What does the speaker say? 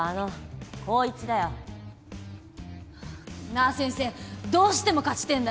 なあ先生どうしても勝ちてえんだよ。